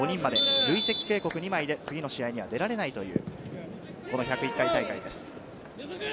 累積警告２枚で次の試合には出られないという１０１回大会です。